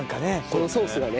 このソースがね。